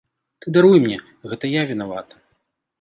Ты даруй мне, гэта я вінавата.